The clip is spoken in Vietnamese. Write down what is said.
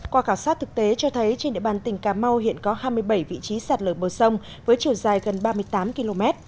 qua khảo sát thực tế cho thấy trên địa bàn tỉnh cà mau hiện có hai mươi bảy vị trí sạt lở bờ sông với chiều dài gần ba mươi tám km